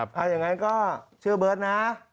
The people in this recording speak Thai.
ค่ะอย่างไรก็เชื่อเบิร์ตนะ